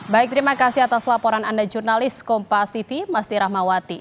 baik terima kasih atas laporan anda jurnalis kompas tv mastirah mawati